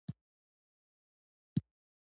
سلامونه ټولو لوستونکو ته وړاندې کوم.